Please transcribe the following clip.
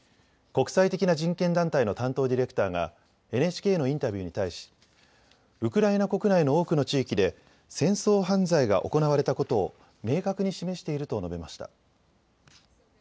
国際的な人権団体の担当ディレクターがＮＨＫのインタビューに対し、ウクライナ国内の多くの地域で戦争犯罪が行われたことを明確に示していると述べました。